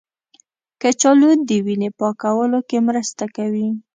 کچالو د وینې پاکوالي کې مرسته کوي.